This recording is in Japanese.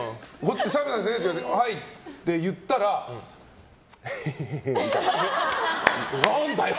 澤部さんですよねって言われてはいって言ったらへへへみたいな。